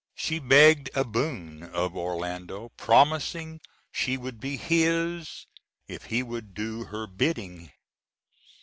She begged a boon of Orlando, promising she would be his if he would do her bidding.